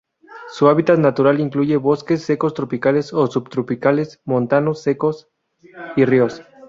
Su hábitat natural incluye bosques secos tropicales o subtropicales, montanos secos y ríos.